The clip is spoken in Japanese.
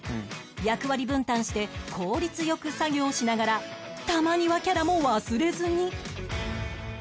役割分担して効率良く作業しながらたまにわキャラも忘れずに